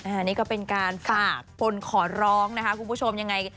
อันนี้ก็เป็นการฝากคนขอร้องนะคะคุณผู้ชมยังไง